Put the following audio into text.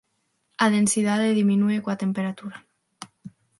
A densidade diminúe coa temperatura.